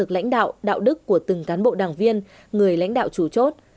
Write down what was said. lãnh đạo đạo đức của từng cán bộ đảng viên người lãnh đạo chủ chốt